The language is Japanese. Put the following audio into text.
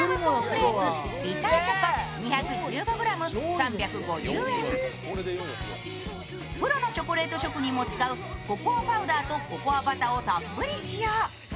その理由がプロのチョコレート職人も使うココアパウダーとココアバターをたっぷり使用。